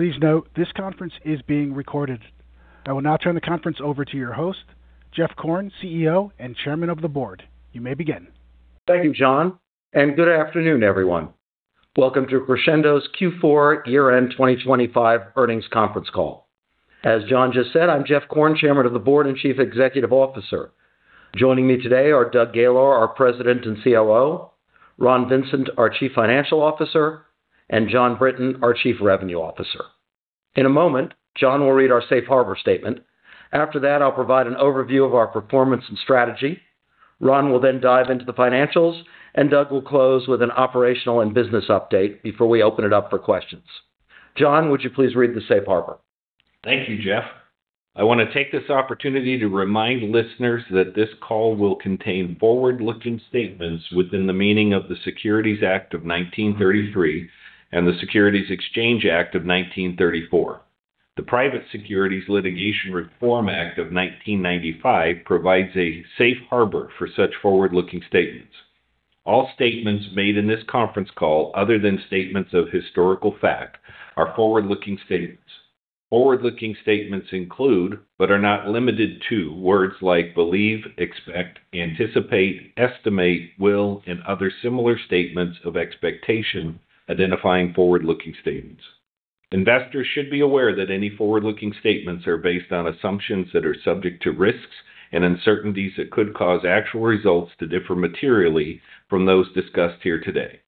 Please note, this conference is being recorded. I will now turn the conference over to your host, Jeff Korn, CEO and Chairman of the Board. You may begin. Thank you, John. Good afternoon, everyone. Welcome to Crexendo's Q4 year-end 2025 earnings conference call. As John just said, I'm Jeff Korn, Chairman of the Board and Chief Executive Officer. Joining me today are Doug Gaylor, our President and COO, Ron Vincent, our Chief Financial Officer, and Jon D. Brinton, our Chief Revenue Officer. In a moment, Jon will read our Safe Harbor statement. I'll provide an overview of our performance and strategy. Ron will dive into the financials. Doug will close with an operational and business update before we open it up for questions. Jon, would you please read the Safe Harbor? Thank you, Jeff. I wanna take this opportunity to remind listeners that this call will contain forward-looking statements within the meaning of the Securities Act of 1933 and the Securities Exchange Act of 1934. The Private Securities Litigation Reform Act of 1995 provides a Safe Harbor for such forward-looking statements. All statements made in this conference call, other than statements of historical fact, are forward-looking statements. Forward-looking statements include, but are not limited to, words like believe, expect, anticipate, estimate, will, and other similar statements of expectation identifying forward-looking statements. Investors should be aware that any forward-looking statements are based on assumptions that are subject to risks and uncertainties that could cause actual results to differ materially from those discussed here today.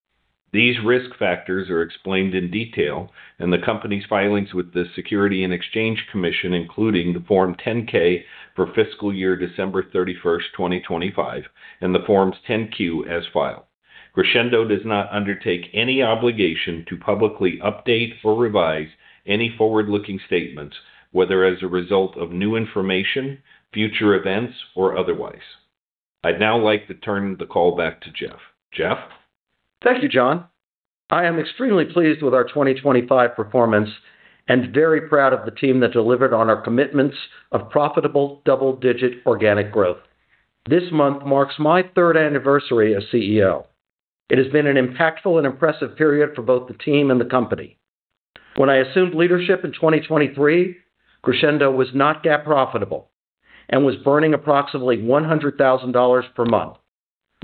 These risk factors are explained in detail in the company's filings with the Securities and Exchange Commission, including the Form 10-K for fiscal year December 31st, 2025, and the Forms 10-Q as filed. Crexendo does not undertake any obligation to publicly update or revise any forward-looking statements, whether as a result of new information, future events, or otherwise. I'd now like to turn the call back to Jeff. Jeff? Thank you, Jon. I am extremely pleased with our 2025 performance and very proud of the team that delivered on our commitments of profitable double-digit organic growth. This month marks my third anniversary as CEO. It has been an impactful and impressive period for both the team and the company. When I assumed leadership in 2023, Crexendo was not GAAP profitable and was burning approximately $100,000 per month.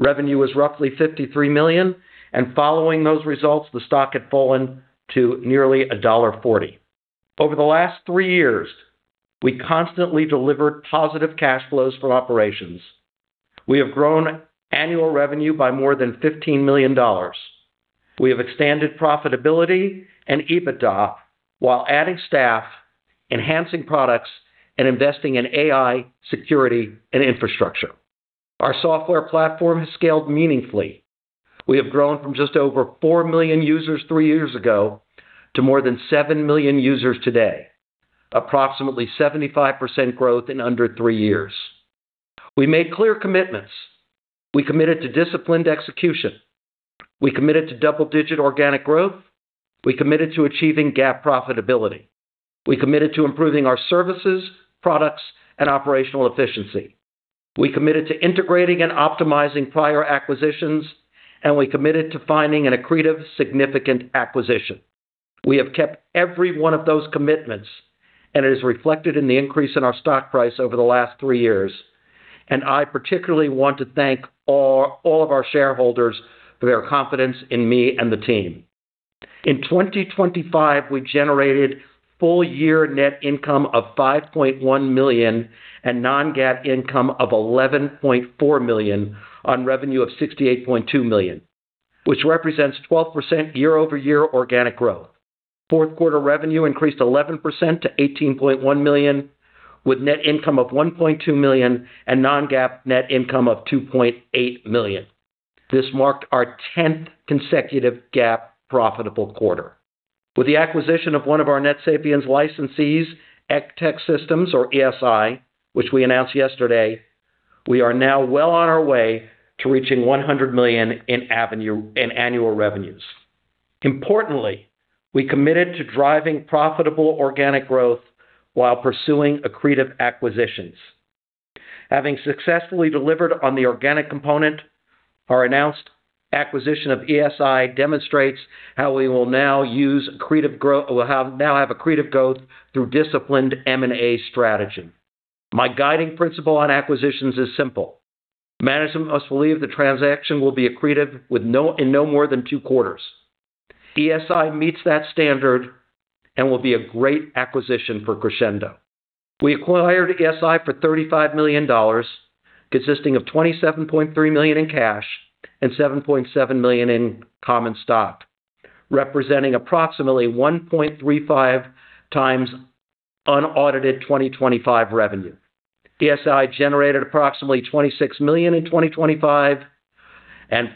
Revenue was roughly $53 million, and following those results, the stock had fallen to nearly $1.40. Over the last three years, we constantly delivered positive cash flows from operations. We have grown annual revenue by more than $15 million. We have expanded profitability and EBITDA while adding staff, enhancing products, and investing in AI, security, and infrastructure. Our software platform has scaled meaningfully. We have grown from just over 4 million users three years ago to more than 7 million users today, approximately 75% growth in under three years. We made clear commitments. We committed to disciplined execution. We committed to double-digit organic growth. We committed to achieving GAAP profitability. We committed to improving our services, products, and operational efficiency. We committed to integrating and optimizing prior acquisitions, and we committed to finding an accretive, significant acquisition. We have kept every one of those commitments, and it is reflected in the increase in our stock price over the last three years. I particularly want to thank all of our shareholders for their confidence in me and the team. In 2025, we generated full year net income of $5.1 million and non-GAAP income of $11.4 million on revenue of $68.2 million, which represents 12% year-over-year organic growth. Fourth quarter revenue increased 11% to $18.1 million, with net income of $1.2 million and non-GAAP net income of $2.8 million. This marked our 10th consecutive GAAP profitable quarter. With the acquisition of one of our NetSapiens licensees, Estech Systems or ESI, which we announced yesterday, we are now well on our way to reaching $100 million in annual revenues. Importantly, we committed to driving profitable organic growth while pursuing accretive acquisitions. Having successfully delivered on the organic component, our announced acquisition of ESI demonstrates how we will now have accretive growth through disciplined M&A strategy. My guiding principle on acquisitions is simple: Management must believe the transaction will be accretive in no more than two quarters. ESI meets that standard and will be a great acquisition for Crexendo. We acquired ESI for $35 million, consisting of $27.3 million in cash and $7.7 million in common stock, representing approximately 1.35x unaudited 2025 revenue. ESI generated approximately $26 million in 2025.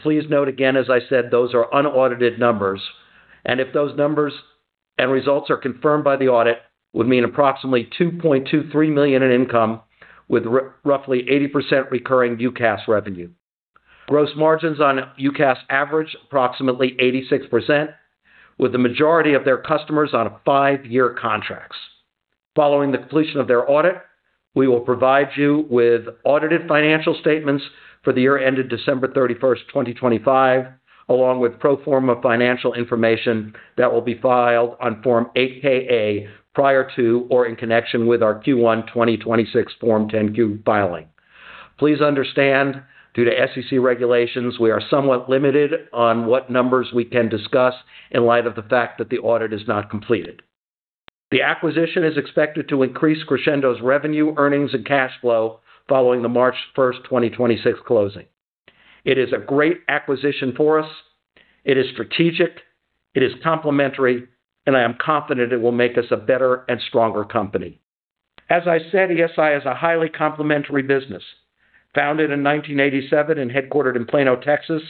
Please note again, as I said, those are unaudited numbers. If those numbers and results are confirmed by the audit, would mean approximately $2.23 million in income with roughly 80% recurring UCaaS revenue. Gross margins on UCaaS average approximately 86%, with the majority of their customers on a five-year contracts. Following the completion of their audit, we will provide you with audited financial statements for the year ended December 31st, 2025, along with pro forma financial information that will be filed on Form 8-K prior to or in connection with our Q1 2026 Form 10-Q filing. Please understand, due to SEC regulations, we are somewhat limited on what numbers we can discuss in light of the fact that the audit is not completed. The acquisition is expected to increase Crexendo's revenue, earnings, and cash flow following the March 1st, 2026 closing. It is a great acquisition for us. It is strategic, it is complementary, and I am confident it will make us a better and stronger company. As I said, ESI is a highly complementary business. Founded in 1987 and headquartered in Plano, Texas,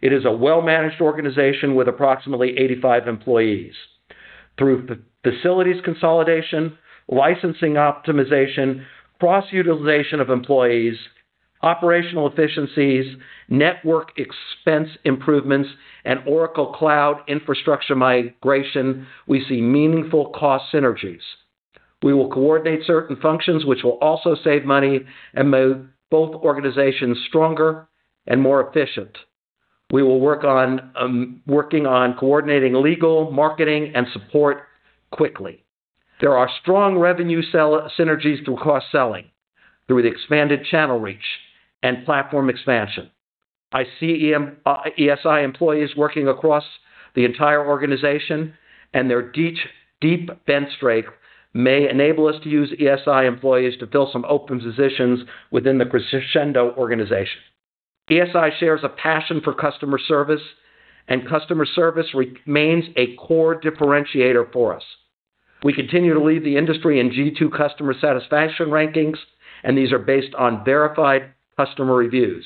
it is a well-managed organization with approximately 85 employees. Through facilities consolidation, licensing optimization, cross-utilization of employees, operational efficiencies, network expense improvements, and Oracle Cloud Infrastructure migration, we see meaningful cost synergies. We will coordinate certain functions which will also save money and make both organizations stronger and more efficient. We will work on working on coordinating legal, marketing, and support quickly. There are strong revenue synergies through cross-selling, through the expanded channel reach, and platform expansion. I see ESI employees working across the entire organization, and their deep bench strength may enable us to use ESI employees to fill some open positions within the Crexendo organization. ESI shares a passion for customer service, and customer service remains a core differentiator for us. We continue to lead the industry in G2 Customer Satisfaction rankings. These are based on verified customer reviews.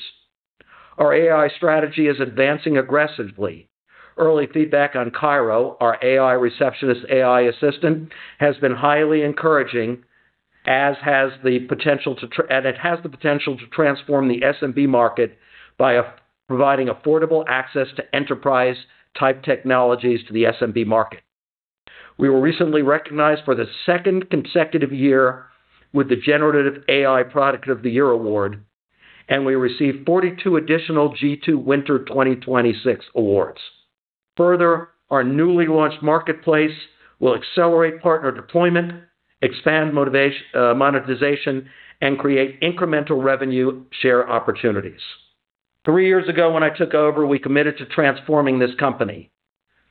Our AI strategy is advancing aggressively. Early feedback on CAIRO, our AI receptionist/AI assistant, has been highly encouraging, as has the potential to transform the SMB market by providing affordable access to enterprise-type technologies to the SMB market. We were recently recognized for the second consecutive year with the Generative AI Product of the Year award. We received 42 additional G2 Winter 2026 awards. Further, our newly launched marketplace will accelerate partner deployment, expand monetization, and create incremental revenue share opportunities. Three years ago when I took over, we committed to transforming this company.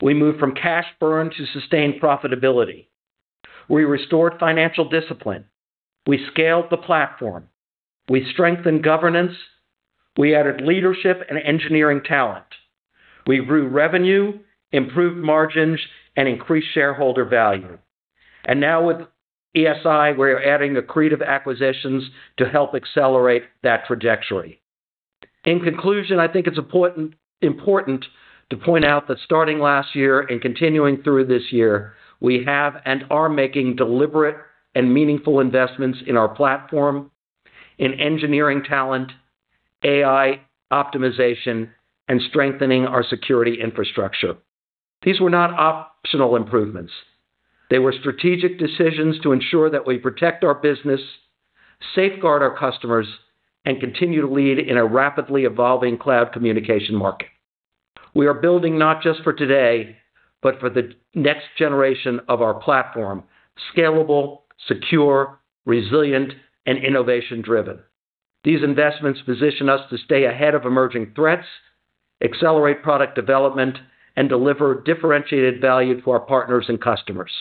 We moved from cash burn to sustained profitability. We restored financial discipline. We scaled the platform. We strengthened governance. We added leadership and engineering talent. We grew revenue, improved margins, and increased shareholder value. Now with ESI, we're adding accretive acquisitions to help accelerate that trajectory. In conclusion, I think it's important to point out that starting last year and continuing through this year, we have and are making deliberate and meaningful investments in our platform, in engineering talent, AI optimization, and strengthening our security infrastructure. These were not optional improvements. They were strategic decisions to ensure that we protect our business, safeguard our customers, and continue to lead in a rapidly evolving cloud communication market. We are building not just for today, but for the next generation of our platform, scalable, secure, resilient, and innovation-driven. These investments position us to stay ahead of emerging threats, accelerate product development, and deliver differentiated value to our partners and customers.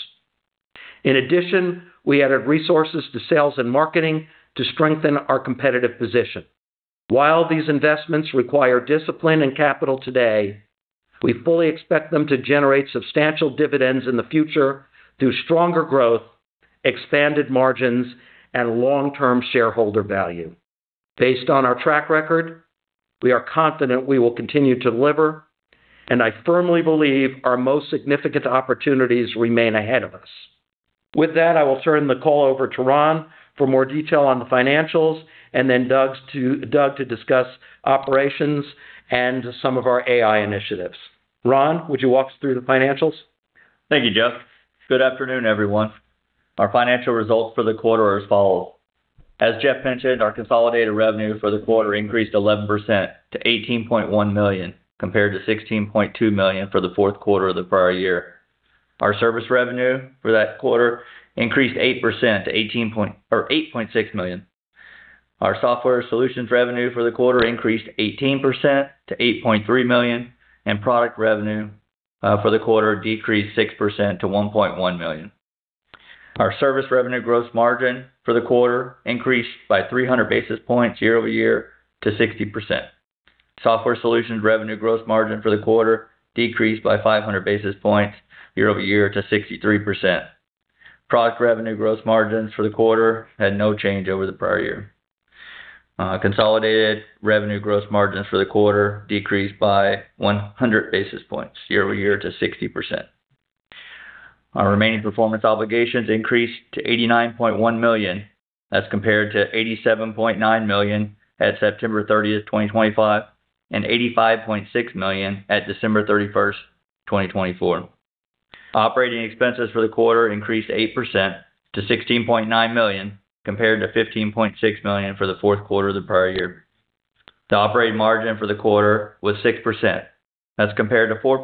In addition, we added resources to sales and marketing to strengthen our competitive position. While these investments require discipline and capital today, we fully expect them to generate substantial dividends in the future through stronger growth, expanded margins, and long-term shareholder value. Based on our track record, we are confident we will continue to deliver, and I firmly believe our most significant opportunities remain ahead of us. With that, I will turn the call over to Ron for more detail on the financials and then Doug to discuss operations and some of our AI initiatives. Ron, would you walk us through the financials? Thank you, Jeff. Good afternoon, everyone. Our financial results for the quarter are as follows. As Jeff mentioned, our consolidated revenue for the quarter increased 11% to $18.1 million, compared to $16.2 million for the fourth quarter of the prior year. Our service revenue for that quarter increased 8% to $8.6 million. Our software solutions revenue for the quarter increased 18% to $8.3 million, product revenue for the quarter decreased 6% to $1.1 million. Our service revenue gross margin for the quarter increased by 300 basis points year-over-year to 60%. Software solutions revenue gross margin for the quarter decreased by 500 basis points year-over-year to 63%. Product revenue gross margins for the quarter had no change over the prior year. Consolidated revenue gross margins for the quarter decreased by 100 basis points year-over-year to 60%. Our Remaining Performance Obligations increased to $89.1 million. That's compared to $87.9 million at September 30th, 2025, and $85.6 million at December 31st, 2024. Operating expenses for the quarter increased 8% to $16.9 million, compared to $15.6 million for the fourth quarter of the prior year. The operating margin for the quarter was 6%. That's compared to 4%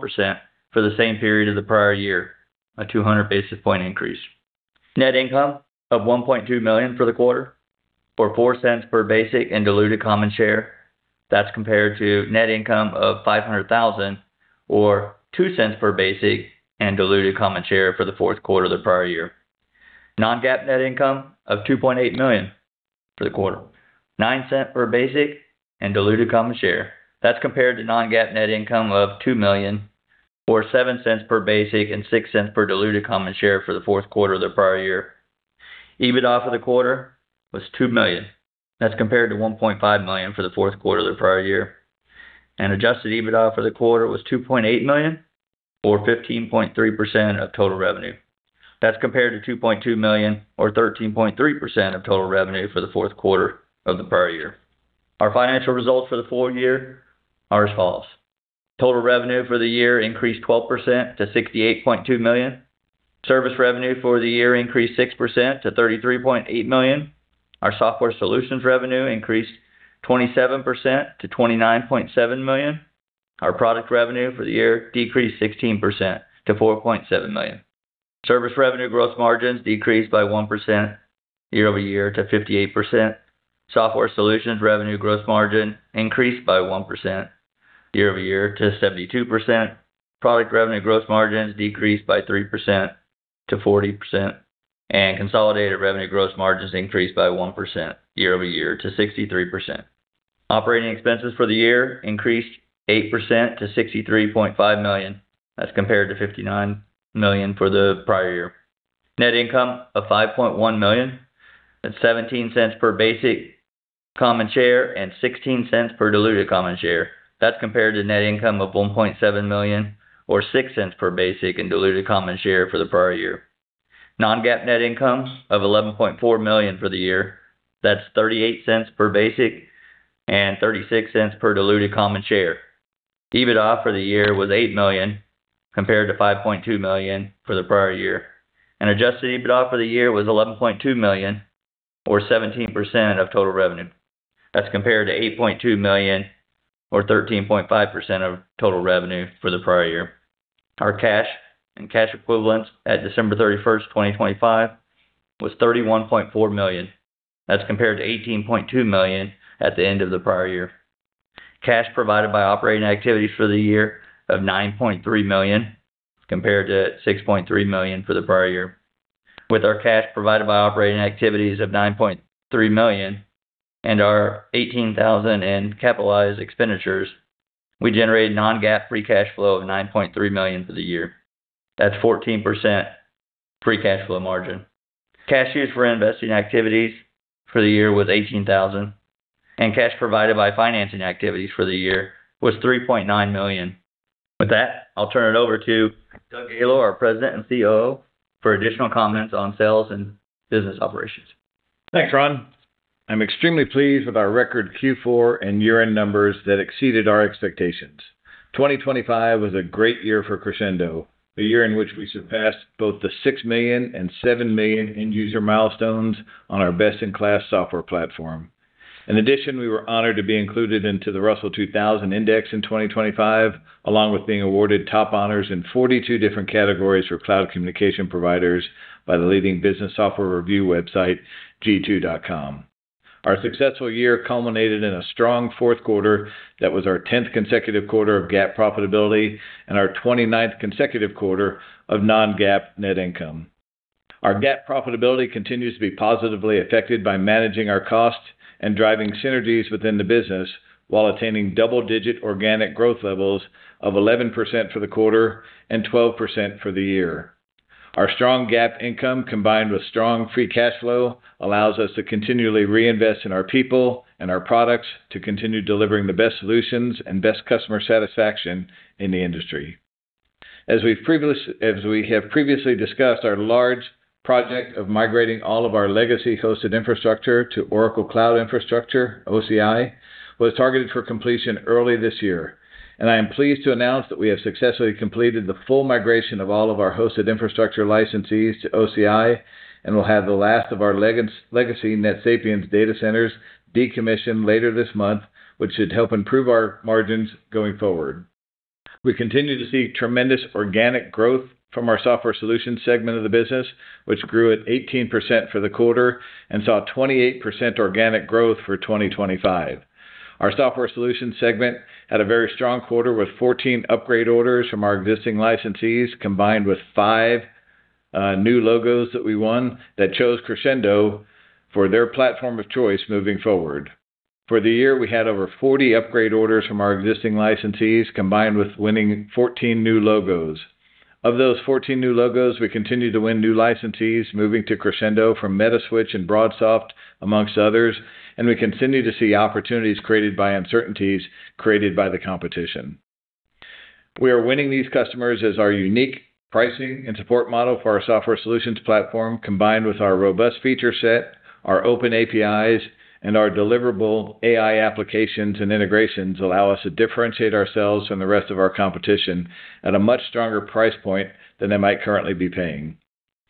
for the same period of the prior year, a 200 basis point increase. Net income of $1.2 million for the quarter, or $0.04 per basic and diluted common share. That's compared to net income of $500,000 or $0.02 per basic and diluted common share for the fourth quarter of the prior year. Non-GAAP net income of $2.8 million for the quarter, $0.09 per basic and diluted common share. That's compared to non-GAAP net income of $2 million or $0.07 per basic and $0.06 per diluted common share for the fourth quarter of the prior year. EBITDA for the quarter was $2 million. That's compared to $1.5 million for the fourth quarter of the prior year. Adjusted EBITDA for the quarter was $2.8 million or 15.3% of total revenue. That's compared to $2.2 million or 13.3% of total revenue for the fourth quarter of the prior year. Our financial results for the full year are as follows. Total revenue for the year increased 12% to $68.2 million. Service revenue for the year increased 6% to $33.8 million. Our software solutions revenue increased 27% to $29.7 million. Our product revenue for the year decreased 16% to $4.7 million. Service revenue gross margins decreased by 1% year-over-year to 58%. Software solutions revenue gross margin increased by 1% year-over-year to 72%. Product revenue gross margins decreased by 3% to 40%, and consolidated revenue gross margins increased by 1% year-over-year to 63%. Operating expenses for the year increased 8% to $63.5 million. That's compared to $59 million for the prior year. Net income of $5.1 million at $0.17 per basic common share and $0.16 per diluted common share. That's compared to net income of $1.7 million or $0.06 per basic and diluted common share for the prior year. Non-GAAP net income of $11.4 million for the year. That's $0.38 per basic and $0.36 per diluted common share. EBITDA for the year was $8 million, compared to $5.2 million for the prior year. Adjusted EBITDA for the year was $11.2 million or 17% of total revenue. That's compared to $8.2 million or 13.5% of total revenue for the prior year. Our cash and cash equivalents at December 31st, 2025 was $31.4 million. That's compared to $18.2 million at the end of the prior year. Cash provided by operating activities for the year of $9.3 million, compared to $6.3 million for the prior year. With our cash provided by operating activities of $9.3 million and our $18,000 in capitalized expenditures, we generated non-GAAP free cash flow of $9.3 million for the year. That's 14% free cash flow margin. Cash used for investing activities for the year was $18,000, and cash provided by financing activities for the year was $3.9 million. With that, I'll turn it over to Doug Gaylor, our President and COO, for additional comments on sales and business operations. Thanks, Ron. I'm extremely pleased with our record Q4 and year-end numbers that exceeded our expectations. 2025 was a great year for Crexendo, a year in which we surpassed both the 6 million and 7 million end user milestones on our best-in-class software platform. In addition, we were honored to be included into the Russell 2000 Index in 2025, along with being awarded top honors in 42 different categories for cloud communication providers by the leading business software review website, G2.com. Our successful year culminated in a strong fourth quarter that was our tenth consecutive quarter of GAAP profitability and our twenty-ninth consecutive quarter of non-GAAP net income. Our GAAP profitability continues to be positively affected by managing our costs and driving synergies within the business while attaining double-digit organic growth levels of 11% for the quarter and 12% for the year. Our strong GAAP income, combined with strong free cash flow, allows us to continually reinvest in our people and our products to continue delivering the best solutions and best customer satisfaction in the industry. As we have previously discussed, our large project of migrating all of our legacy hosted infrastructure to Oracle Cloud Infrastructure, OCI, was targeted for completion early this year. I am pleased to announce that we have successfully completed the full migration of all of our hosted infrastructure licensees to OCI and will have the last of our legacy NetSapiens data centers decommissioned later this month, which should help improve our margins going forward. We continue to see tremendous organic growth from our software solutions segment of the business, which grew at 18% for the quarter and saw 28% organic growth for 2025. Our software solutions segment had a very strong quarter with 14 upgrade orders from our existing licensees, combined with five new logos that we won that chose Crexendo for their platform of choice moving forward. For the year, we had over 40 upgrade orders from our existing licensees, combined with winning 14 new logos. Of those 14 new logos, we continued to win new licensees moving to Crexendo from Metaswitch and BroadSoft, amongst others, and we continue to see opportunities created by uncertainties created by the competition. We are winning these customers as our unique pricing and support model for our software solutions platform, combined with our robust feature set, our open APIs, and our deliverable AI applications and integrations allow us to differentiate ourselves from the rest of our competition at a much stronger price point than they might currently be paying.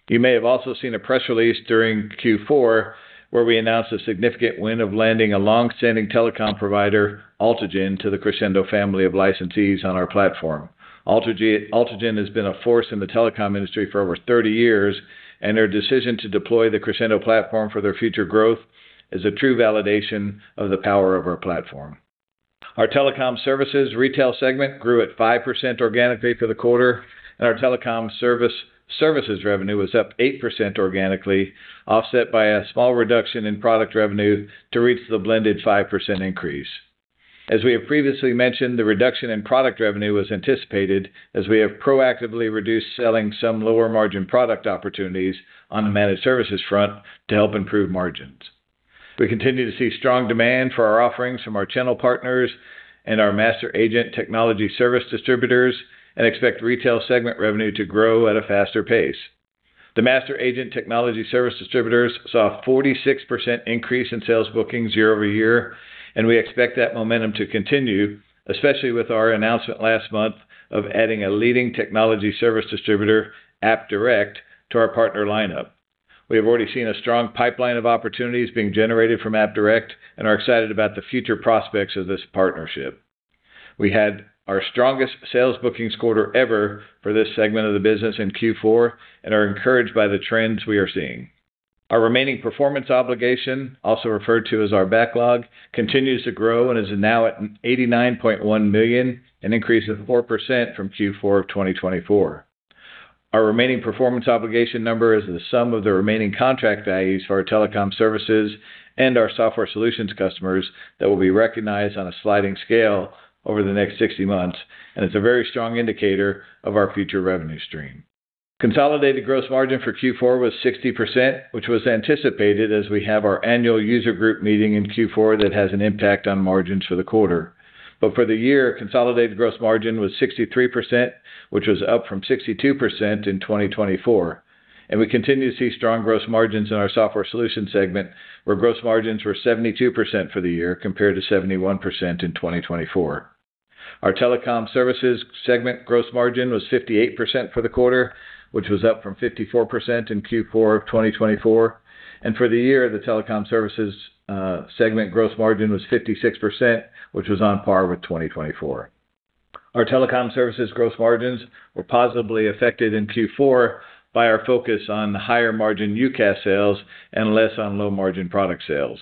You may have also seen a press release during Q4, where we announced a significant win of landing a long-standing telecom provider, Altigen, to the Crexendo family of licensees on our platform. Altigen has been a force in the telecom industry for over 30 years, and their decision to deploy the Crexendo platform for their future growth is a true validation of the power of our platform. Our telecom services retail segment grew at 5% organically for the quarter, and our telecom services revenue was up 8% organically, offset by a small reduction in product revenue to reach the blended 5% increase. As we have previously mentioned, the reduction in product revenue was anticipated as we have proactively reduced selling some lower margin product opportunities on the managed services front to help improve margins. We continue to see strong demand for our offerings from our channel partners and our Master Agent technology service distributors and expect retail segment revenue to grow at a faster pace. The Master Agent technology service distributors saw a 46% increase in sales bookings year-over-year, and we expect that momentum to continue, especially with our announcement last month of adding a leading technology service distributor, AppDirect, to our partner lineup. We have already seen a strong pipeline of opportunities being generated from AppDirect and are excited about the future prospects of this partnership. We had our strongest sales bookings quarter ever for this segment of the business in Q4 and are encouraged by the trends we are seeing. Our Remaining Performance Obligation, also referred to as our backlog, continues to grow and is now at $89.1 million, an increase of 4% from Q4 of 2024. Our Remaining Performance Obligation number is the sum of the remaining contract values for our telecom services and our software solutions customers that will be recognized on a sliding scale over the next 60 months. It's a very strong indicator of our future revenue stream. Consolidated gross margin for Q4 was 60%, which was anticipated as we have our annual user group meeting in Q4 that has an impact on margins for the quarter. For the year, consolidated gross margin was 63%, which was up from 62% in 2024. We continue to see strong gross margins in our software solution segment, where gross margins were 72% for the year compared to 71% in 2024. Our telecom services segment gross margin was 58% for the quarter, which was up from 54% in Q4 of 2024. For the year, the telecom services segment gross margin was 56%, which was on par with 2024. Our telecom services gross margins were positively affected in Q4 by our focus on higher margin UCaaS sales and less on low margin product sales.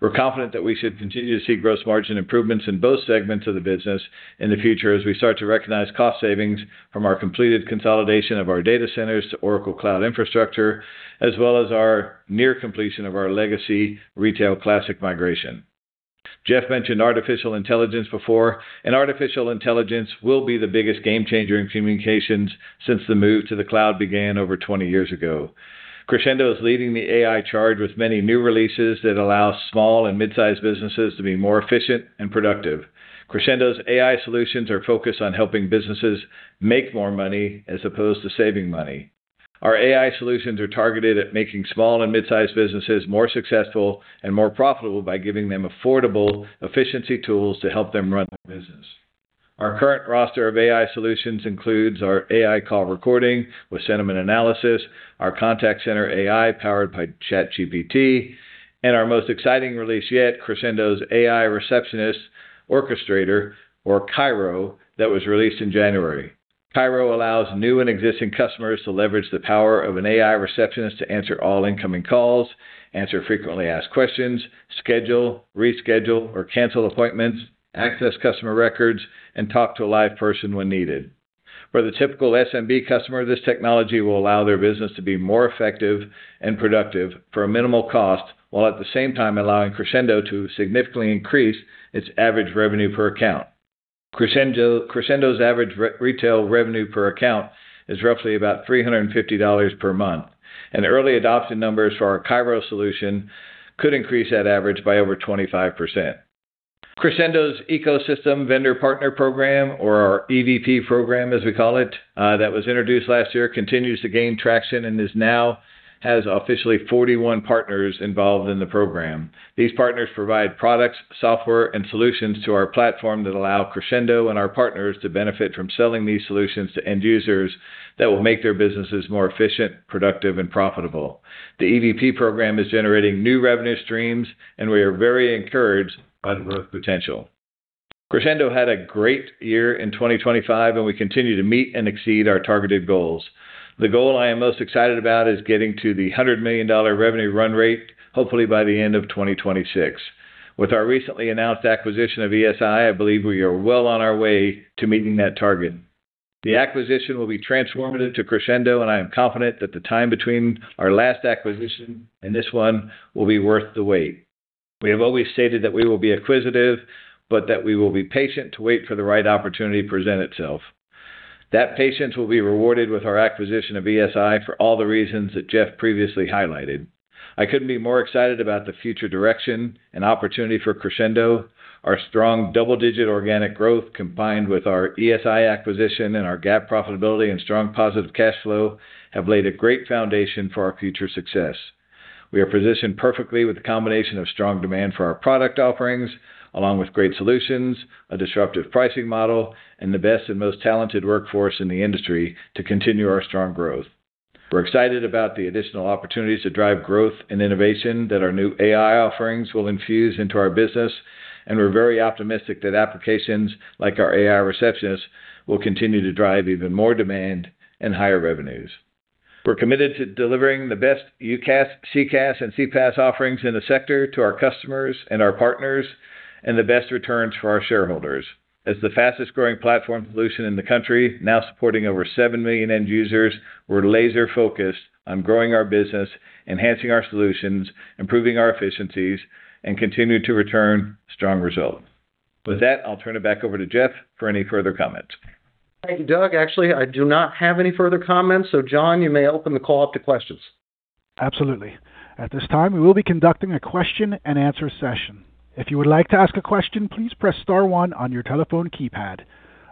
We're confident that we should continue to see gross margin improvements in both segments of the business in the future as we start to recognize cost savings from our completed consolidation of our data centers to Oracle Cloud Infrastructure, as well as our near completion of our legacy retail classic migration. Jeff mentioned artificial intelligence before, and artificial intelligence will be the biggest game changer in communications since the move to the cloud began over 20 years ago. Crexendo is leading the AI charge with many new releases that allow small and mid-sized businesses to be more efficient and productive. Crexendo's AI solutions are focused on helping businesses make more money as opposed to saving money. Our AI solutions are targeted at making small and mid-sized businesses more successful and more profitable by giving them affordable efficiency tools to help them run their business. Our current roster of AI solutions includes our AI call recording with sentiment analysis, our contact center AI powered by ChatGPT, and our most exciting release yet, Crexendo's AI Receptionist Orchestrator, or CAIRO, that was released in January. CAIRO allows new and existing customers to leverage the power of an AI receptionist to answer all incoming calls, answer frequently asked questions, schedule, reschedule, or cancel appointments, access customer records, and talk to a live person when needed. For the typical SMB customer, this technology will allow their business to be more effective and productive for a minimal cost, while at the same time allowing Crexendo to significantly increase its average revenue per account. Crexendo's average re-retail revenue per account is roughly about $350 per month, and early adoption numbers for our CAIRO solution could increase that average by over 25%. Crexendo's Ecosystem Vendor Partner Program, or our EVP program as we call it, that was introduced last year, continues to gain traction and now has officially 41 partners involved in the program. These partners provide products, software, and solutions to our platform that allow Crexendo and our partners to benefit from selling these solutions to end users that will make their businesses more efficient, productive, and profitable. The EVP program is generating new revenue streams, and we are very encouraged by the growth potential. Crexendo had a great year in 2025, and we continue to meet and exceed our targeted goals. The goal I am most excited about is getting to the $100 million revenue run rate, hopefully by the end of 2026. With our recently announced acquisition of ESI, I believe we are well on our way to meeting that target. The acquisition will be transformative to Crexendo, and I am confident that the time between our last acquisition and this one will be worth the wait. We have always stated that we will be acquisitive, but that we will be patient to wait for the right opportunity to present itself. That patience will be rewarded with our acquisition of ESI for all the reasons that Jeff previously highlighted. I couldn't be more excited about the future direction and opportunity for Crexendo. Our strong double-digit organic growth, combined with our ESI acquisition and our GAAP profitability and strong positive cash flow, have laid a great foundation for our future success. We are positioned perfectly with the combination of strong demand for our product offerings, along with great solutions, a disruptive pricing model, and the best and most talented workforce in the industry to continue our strong growth. We're excited about the additional opportunities to drive growth and innovation that our new AI offerings will infuse into our business, and we're very optimistic that applications like our AI Receptionist will continue to drive even more demand and higher revenues. We're committed to delivering the best UCaaS, CCaaS, and CPaaS offerings in the sector to our customers and our partners, and the best returns for our shareholders. As the fastest-growing platform solution in the country, now supporting over 7 million end users, we're laser-focused on growing our business, enhancing our solutions, improving our efficiencies, and continue to return strong results. With that, I'll turn it back over to Jeff for any further comments. Thank you, Doug. Actually, I do not have any further comments. John, you may open the call up to questions. Absolutely. At this time, we will be conducting a question-and-answer session. If you would like to ask a question, please press star one on your telephone keypad.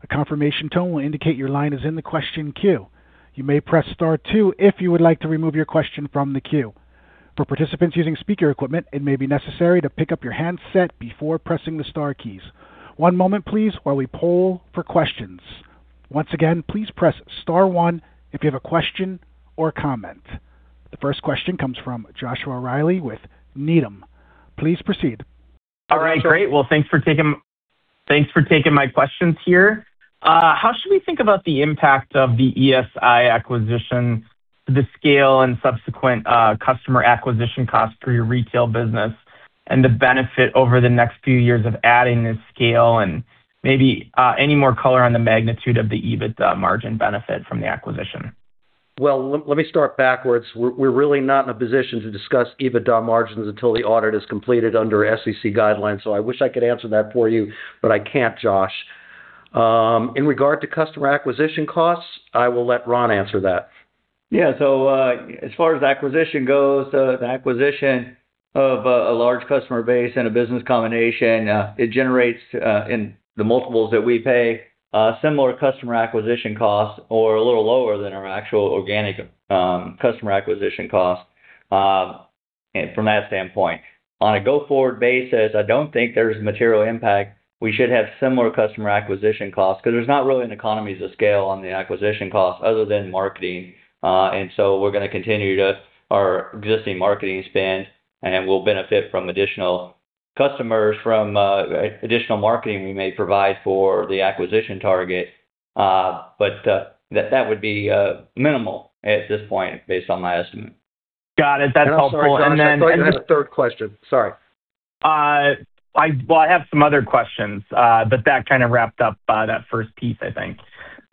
A confirmation tone will indicate your line is in the question queue. You may press star two if you would like to remove your question from the queue. For participants using speaker equipment, it may be necessary to pick up your handset before pressing the star keys. One moment, please, while we poll for questions. Once again, please press star one if you have a question or comment. The first question comes from Joshua Reilly with Needham. Please proceed. All right. Great. Well, thanks for taking my questions here. How should we think about the impact of the ESI acquisition to the scale and subsequent customer acquisition cost for your retail business and the benefit over the next few years of adding this scale and maybe any more color on the magnitude of the EBITDA margin benefit from the acquisition? Let me start backwards. We're really not in a position to discuss EBITDA margins until the audit is completed under SEC guidelines. I wish I could answer that for you, but I can't, Josh. In regard to customer acquisition costs, I will let Ron answer that. As far as the acquisition goes, the acquisition of a large customer base and a business combination, it generates in the multiples that we pay, similar customer acquisition costs or a little lower than our actual organic customer acquisition costs, and from that standpoint. On a go-forward basis, I don't think there's material impact. We should have similar customer acquisition costs 'cause there's not really an economies of scale on the acquisition costs other than marketing. We're gonna continue to our existing marketing spend, and we'll benefit from additional customers from additional marketing we may provide for the acquisition target. That would be minimal at this point based on my estimate. Got it. That's helpful. I'm sorry, Josh. I thought you had a third question. Sorry. Well, I have some other questions. That kind of wrapped up that first piece, I think.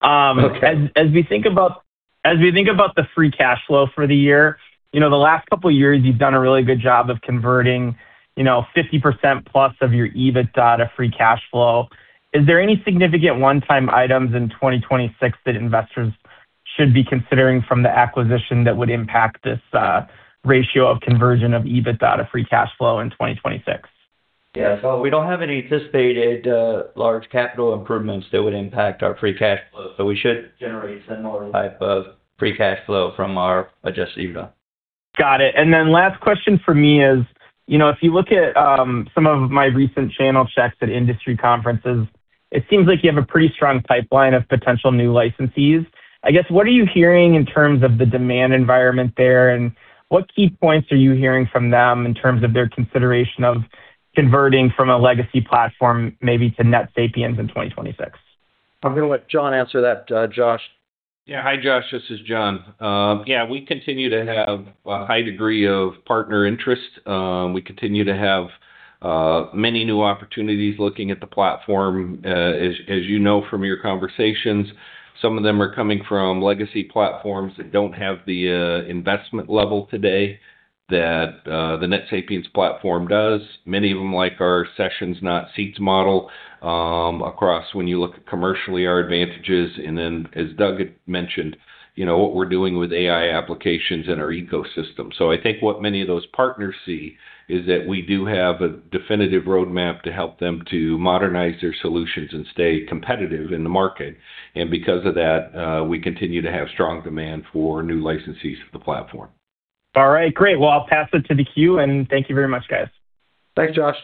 Okay. As we think about the free cash flow for the year, you know, the last couple of years, you've done a really good job of converting, you know, 50% plus of your EBITDA to free cash flow. Is there any significant one-time items in 2026 that investors should be considering from the acquisition that would impact this ratio of conversion of EBITDA to free cash flow in 2026? Yeah. We don't have any anticipated, large capital improvements that would impact our free cash flow, so we should generate similar type of free cash flow from our adjusted EBITDA. Got it. Last question for me is, you know, if you look at some of my recent channel checks at industry conferences, it seems like you have a pretty strong pipeline of potential new licensees. I guess, what are you hearing in terms of the demand environment there, and what key points are you hearing from them in terms of their consideration of converting from a legacy platform maybe to NetSapiens in 2026? I'm gonna let Jon answer that, Josh. Yeah. Hi, Josh. This is Jon. Yeah, we continue to have a high degree of partner interest. We continue to have many new opportunities looking at the platform. As you know from your conversations, some of them are coming from legacy platforms that don't have the investment level today that the NetSapiens platform does. Many of them like our sessions, not seats model, across when you look commercially our advantages. As Doug had mentioned, you know, what we're doing with AI applications in our ecosystem. I think what many of those partners see is that we do have a definitive roadmap to help them to modernize their solutions and stay competitive in the market. Because of that, we continue to have strong demand for new licensees of the platform. All right. Great. Well, I'll pass it to the queue and thank you very much, guys. Thanks, Josh.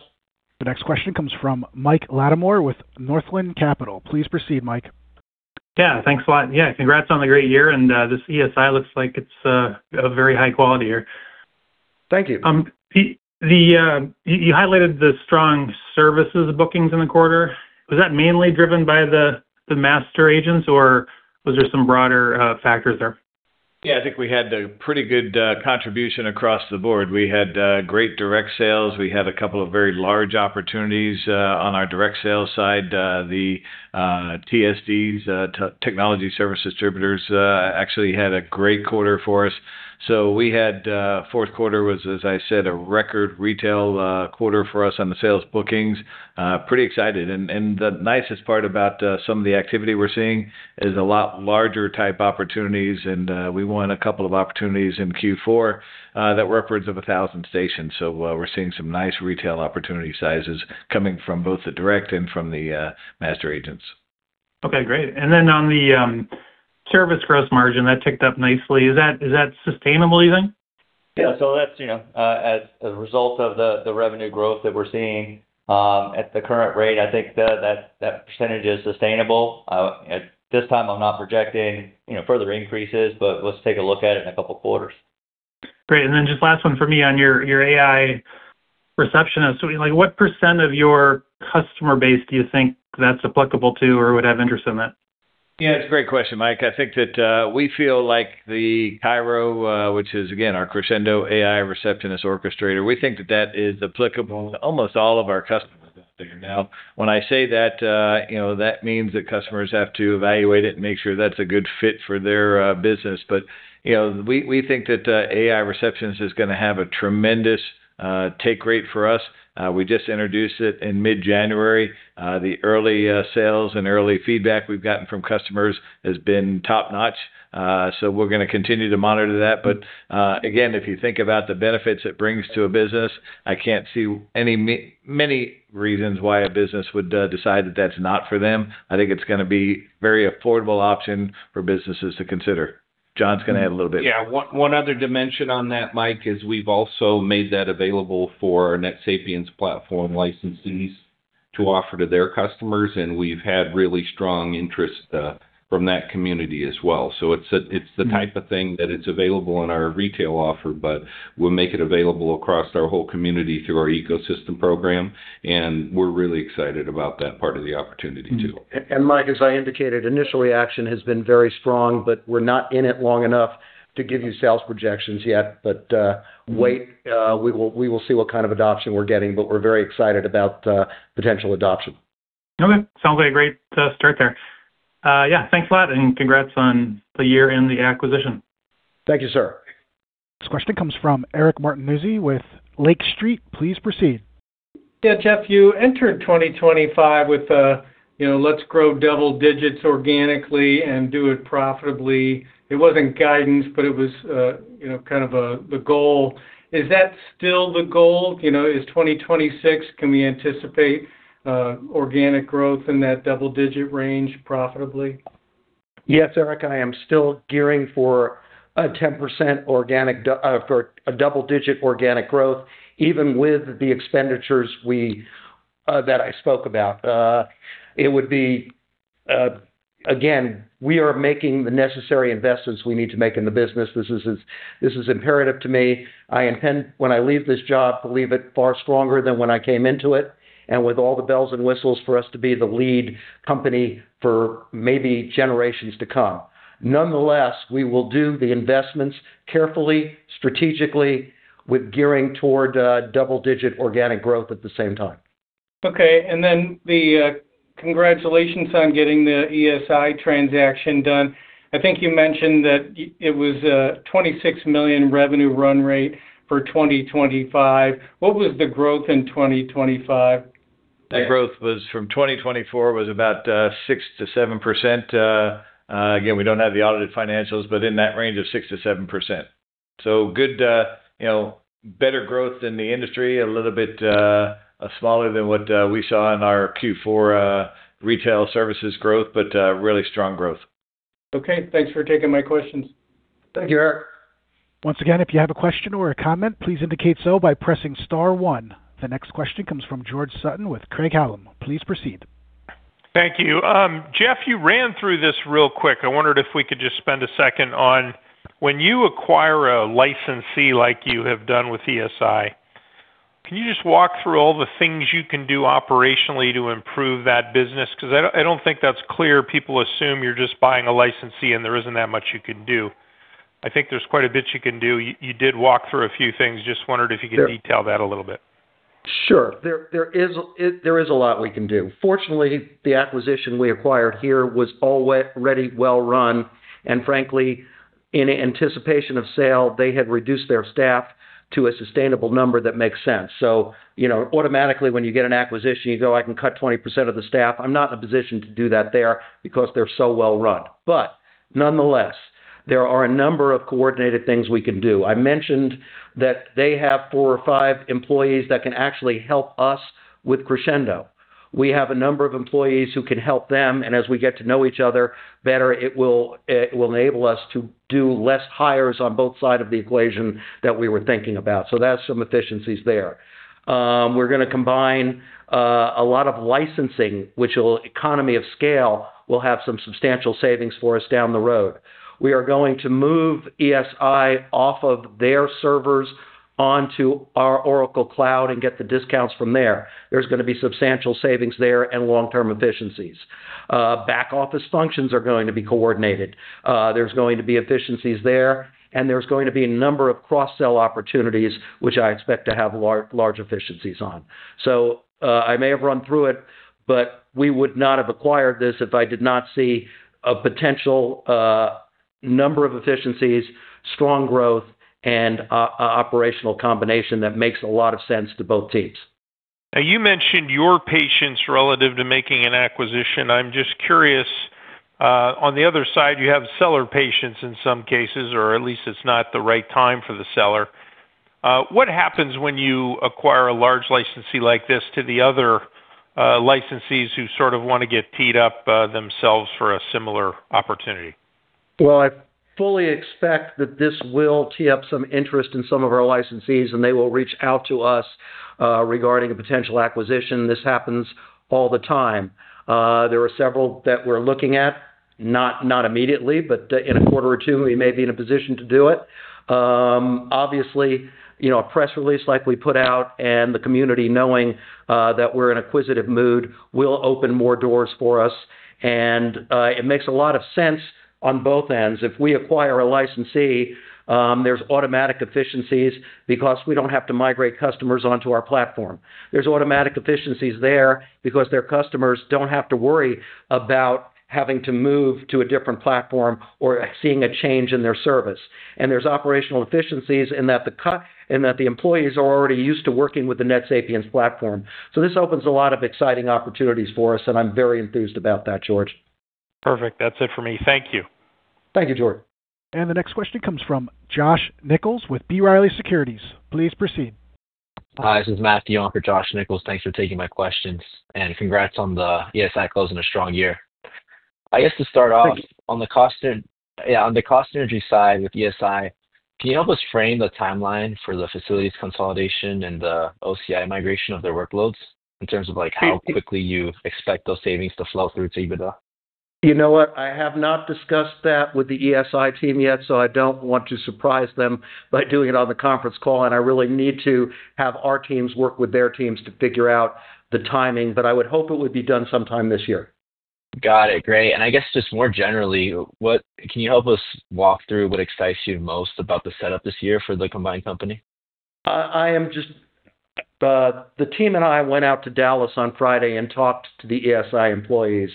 The next question comes from Mike Latimore with Northland Capital. Please proceed, Mike. Yeah. Thanks a lot. Yeah. Congrats on the great year and, this ESI looks like it's a very high quality year. Thank you. You highlighted the strong services bookings in the quarter. Was that mainly driven by the Master Agents or was there some broader factors there? I think we had a pretty good contribution across the board. We had great direct sales. We had a couple of very large opportunities on our direct sales side. The TSDs, technology service distributors, actually had a great quarter for us. We had fourth quarter was, as I said, a record retail quarter for us on the sales bookings. Pretty excited. The nicest part about some of the activity we're seeing is a lot larger type opportunities, and we won a couple of opportunities in Q4 that were upwards of 1,000 stations. We're seeing some nice retail opportunity sizes coming from both the direct and from the Master Agents. Okay, great. On the service gross margin, that ticked up nicely. Is that sustainable, you think? Yeah. That's, you know, as a result of the revenue growth that we're seeing, at the current rate, I think that percentage is sustainable. At this time, I'm not projecting, you know, further increases, but let's take a look at it in a couple of quarters. Great. Then just last one for me on your AI Receptionist. Like what % of your customer base do you think that's applicable to or would have interest in that? Yeah, it's a great question, Mike. I think that we feel like the CAIRO, which is again, our Crexendo AI Receptionist Orchestrator, we think that that is applicable to almost all of our customers out there. Now, when I say that, you know, that means that customers have to evaluate it and make sure that's a good fit for their business. You know, we think that AI Receptionist is gonna have a tremendous take rate for us. We just introduced it in mid-January. The early sales and early feedback we've gotten from customers has been top-notch. We're gonna continue to monitor that. Again, if you think about the benefits it brings to a business, I can't see any many reasons why a business would decide that that's not for them. I think it's gonna be very affordable option for businesses to consider. Jon's gonna add a little bit. Yeah. One other dimension on that, Mike, is we've also made that available for NetSapiens platform licensees to offer to their customers, and we've had really strong interest from that community as well. It's the type of thing that it's available on our retail offer, but we'll make it available across our whole community through our Ecosystem Program, and we're really excited about that part of the opportunity too. Mike, as I indicated, initial action has been very strong. We're not in it long enough to give you sales projections yet. Wait, we will see what kind of adoption we're getting. We're very excited about the potential adoption. Sounds like a great start there. Thanks a lot and congrats on the year-end, the acquisition. Thank you, sir. This question comes from Eric Martinuzzi with Lake Street. Please proceed. Yeah, Jeff, you entered 2025 with, you know, let's grow double-digits organically and do it profitably. It wasn't guidance, but it was, you know, kind of the goal. Is that still the goal? You know, is 2026, can we anticipate organic growth in that double-digit range profitably? Yes, Eric. I am still gearing for a 10% organic for a double-digit organic growth, even with the expenditures we that I spoke about. It would be again, we are making the necessary investments we need to make in the business. This is imperative to me. I intend, when I leave this job, to leave it far stronger than when I came into it, and with all the bells and whistles for us to be the lead company for maybe generations to come. We will do the investments carefully, strategically, with gearing toward double-digit organic growth at the same time. Okay. Then congratulations on getting the ESI transaction done. I think you mentioned that it was a $26 million revenue run rate for 2025. What was the growth in 2025? The growth was from 2024 was about 6%-7%. Again, we don't have the audited financials, but in that range of 6%-7%. Good, you know, better growth than the industry. A little bit smaller than what we saw in our Q4 retail services growth, really strong growth. Okay. Thanks for taking my questions. Thank you, Eric. Once again, if you have a question or a comment, please indicate so by pressing star one. The next question comes from George Sutton with Craig-Hallum. Please proceed. Thank you. Jeff, you ran through this real quick. I wondered if we could just spend a second on when you acquire a licensee like you have done with ESI, can you just walk through all the things you can do operationally to improve that business? 'Cause I don't think that's clear. People assume you're just buying a licensee and there isn't that much you can do. I think there's quite a bit you can do. You did walk through a few things. Just wondered if you could detail that a little bit? Sure. There is a lot we can do. Frankly, the acquisition we acquired here was already well run. You know, automatically, when you get an acquisition, you go, "I can cut 20% of the staff." I'm not in a position to do that there because they're so well run. Nonetheless, there are a number of coordinated things we can do. I mentioned that they have four or five employees that can actually help us with Crexendo. We have a number of employees who can help them, and as we get to know each other better, it will enable us to do less hires on both sides of the equation that we were thinking about. That's some efficiencies there. We're gonna combine a lot of licensing, which will economy of scale, will have some substantial savings for us down the road. We are going to move ESI off of their servers onto our Oracle Cloud and get the discounts from there. There's gonna be substantial savings there and long-term efficiencies. Back office functions are going to be coordinated. There's going to be efficiencies there, and there's going to be a number of cross-sell opportunities, which I expect to have large efficiencies on. I may have run through it, but we would not have acquired this if I did not see a potential number of efficiencies, strong growth, and a operational combination that makes a lot of sense to both teams. You mentioned your patience relative to making an acquisition. I'm just curious, on the other side, you have seller patience in some cases, or at least it's not the right time for the seller. What happens when you acquire a large licensee like this to the other licensees who sort of wanna get teed up themselves for a similar opportunity? Well, I fully expect that this will tee up some interest in some of our licensees, and they will reach out to us regarding a potential acquisition. This happens all the time. There are several that we're looking at, not immediately, but in a quarter or two, we may be in a position to do it. Obviously, you know, a press release like we put out and the community knowing that we're in an acquisitive mood will open more doors for us. It makes a lot of sense on both ends. If we acquire a licensee, there's automatic efficiencies because we don't have to migrate customers onto our platform. There's automatic efficiencies there because their customers don't have to worry about having to move to a different platform or seeing a change in their service. There's operational efficiencies in that the employees are already used to working with the NetSapiens platform. This opens a lot of exciting opportunities for us, and I'm very enthused about that, George. Perfect. That's it for me. Thank you. Thank you, George. The next question comes from Josh Nichols with B. Riley Securities. Please proceed. Hi. This is Matt Maus for Josh Nichols. Thanks for taking my questions. Congrats on the ESI closing a strong year. I guess to start off- Thank you.... on the cost energy side with ESI, can you help us frame the timeline for the facilities consolidation and the OCI migration of their workloads in terms of, like, how quickly you expect those savings to flow through to EBITDA? You know what? I have not discussed that with the ESI team yet, so I don't want to surprise them by doing it on the conference call. I really need to have our teams work with their teams to figure out the timing, but I would hope it would be done sometime this year. Got it. Great. I guess just more generally, can you help us walk through what excites you most about the setup this year for the combined company? The team and I went out to Dallas on Friday and talked to the ESI employees.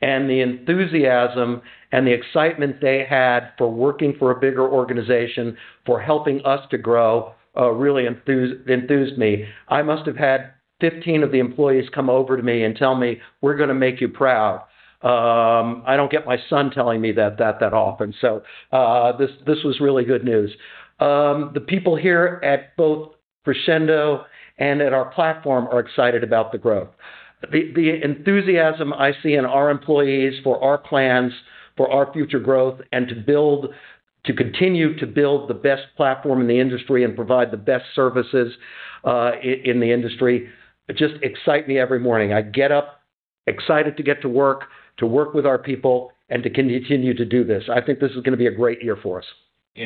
The enthusiasm and the excitement they had for working for a bigger organization, for helping us to grow, really enthused me. I must have had 15 of the employees come over to me and tell me, "We're gonna make you proud." I don't get my son telling me that often. This was really good news. The people here at both Crexendo and at our platform are excited about the growth. The enthusiasm I see in our employees for our plans, for our future growth, to continue to build the best platform in the industry and provide the best services, in the industry just excite me every morning. I get up excited to get to work, to work with our people, and to continue to do this. I think this is gonna be a great year for us.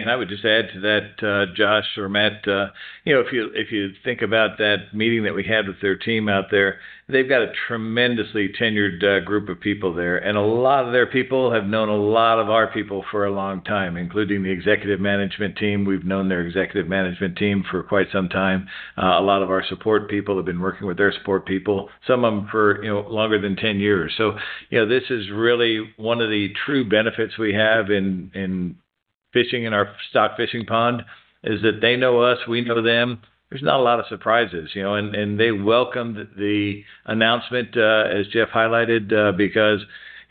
I would just add to that, Josh or Matt, you know, if you, if you think about that meeting that we had with their team out there, they've got a tremendously tenured group of people there. A lot of their people have known a lot of our people for a long time, including the executive management team. We've known their executive management team for quite some time. A lot of our support people have been working with their support people, some of them for, you know, longer than 10 years. You know, this is really one of the true benefits we have in fishing in our stock fishing pond is that they know us, we know them. There's not a lot of surprises, you know. They welcomed the announcement, as Jeff highlighted, because,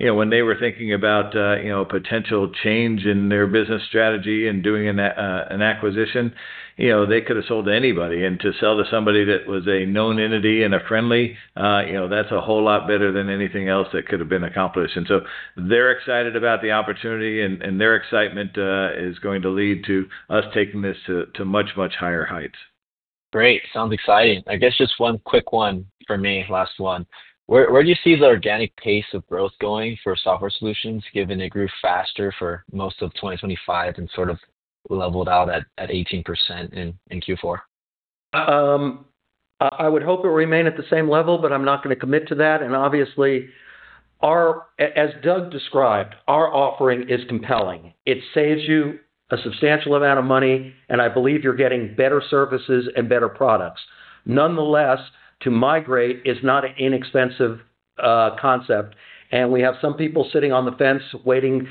you know, when they were thinking about, you know, potential change in their business strategy and doing an acquisition, you know, they could have sold to anybody. To sell to somebody that was a known entity and a friendly, you know, that's a whole lot better than anything else that could have been accomplished. They're excited about the opportunity, and their excitement, is going to lead to us taking this to much, much higher heights. Great. Sounds exciting. I guess just one quick one for me. Last one. Where do you see the organic pace of growth going for software solutions, given it grew faster for most of 2025 and sort of leveled out at 18% in Q4? I would hope it remain at the same level, but I'm not gonna commit to that. Obviously, as Doug described, our offering is compelling. It saves you a substantial amount of money, and I believe you're getting better services and better products. Nonetheless, to migrate is not an inexpensive concept, and we have some people sitting on the fence waiting,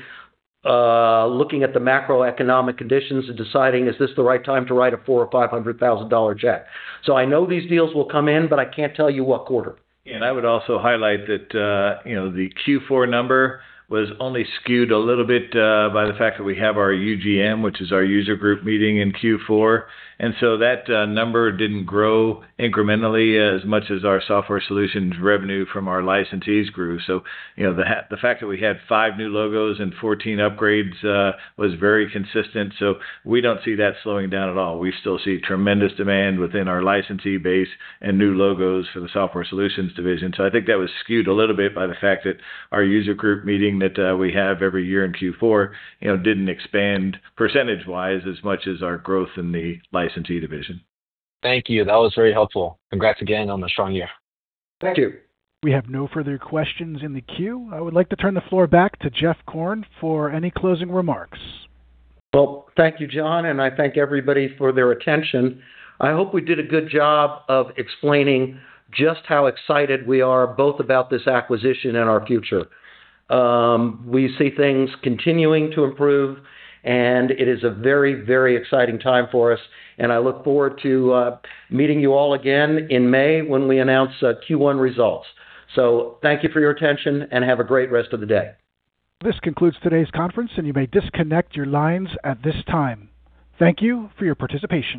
looking at the macroeconomic conditions and deciding, is this the right time to write a $400,000 or $500,000 check? I know these deals will come in, but I can't tell you what quarter. I would also highlight that, you know, the Q4 number was only skewed a little bit by the fact that we have our UGM, which is our user group meeting in Q4. That number didn't grow incrementally as much as our software solutions revenue from our licensees grew. You know, the fact that we had five new logos and 14 upgrades was very consistent, so we don't see that slowing down at all. We still see tremendous demand within our licensee base and new logos for the software solutions division. I think that was skewed a little bit by the fact that our user group meeting that we have every year in Q4, you know, didn't expand percentage-wise as much as our growth in the licensee division. Thank you. That was very helpful. Congrats again on the strong year. Thank you. We have no further questions in the queue. I would like to turn the floor back to Jeff Korn for any closing remarks. Well, thank you, John, and I thank everybody for their attention. I hope we did a good job of explaining just how excited we are both about this acquisition and our future. We see things continuing to improve, It is a very, very exciting time for us, I look forward to meeting you all again in May when we announce Q1 results. Thank you for your attention, and have a great rest of the day. This concludes today's conference, and you may disconnect your lines at this time. Thank you for your participation.